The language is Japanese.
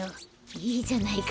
いいじゃないか。